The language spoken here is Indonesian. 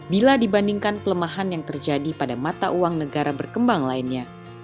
bila dibandingkan pelemahan yang terjadi pada mata uang negara berkembang lainnya